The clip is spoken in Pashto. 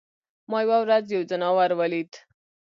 ما یوه ورځ یو ځناور ولید.